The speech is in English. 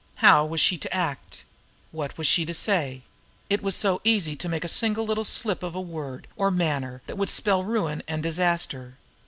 How was she to act? What was she to say? It was so easy to make the single little slip of word or manner that would spell ruin and disaster.